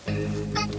keh gini ya